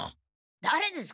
だれですか？